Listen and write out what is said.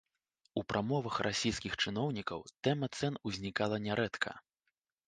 У прамовах расійскіх чыноўнікаў тэма цэн узнікала нярэдка.